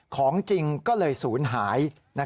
ของจริงก็เลยศูนย์หาย